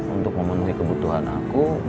untuk memenuhi kebutuhan aku